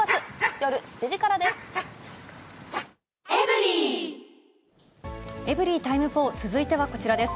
夜７時からです。